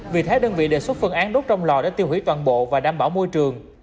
vì thế đơn vị đề xuất phần án đốt trong lò để tiêu hủy toàn bộ và đảm bảo môi trường